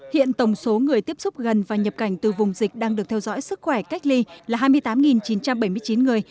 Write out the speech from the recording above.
hiện tổng số người tiếp xúc gần và nhập cảnh từ vùng dịch đang được theo dõi sức khỏe cách ly là hai mươi tám chín trăm bảy mươi chín người